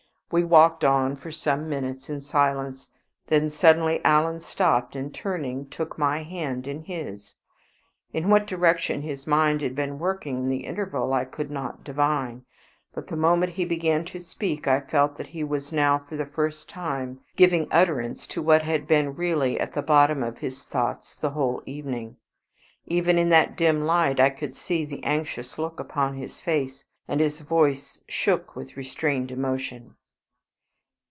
We walked on for some minutes in silence. Then suddenly Alan stopped, and turning, took my hand in his. In what direction his mind had been working in the interval I could not divine; but the moment he began to speak I felt that he was now for the first time giving utterance to what had been really at the bottom of his thoughts the whole evening. Even in that dim light I could see the anxious look upon his face, and his voice shook with restrained emotion.